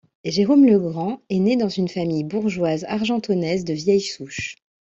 Jérôme Legrand est né dans une famille bourgeoise argentonnaise de vieille souche.